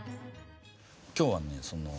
今日はね